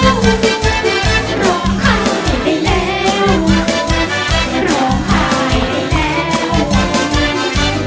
ร้องไห้ได้แล้ว